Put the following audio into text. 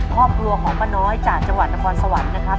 ครอบครัวของป้าน้อยจากจังหวัดนครสวรรค์นะครับ